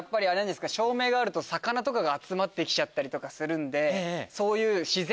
照明があると魚とかが集まってきちゃったりするんで。